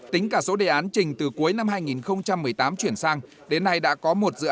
tính cả số đề án trình từ cuối năm hai nghìn một mươi tám chuyển sang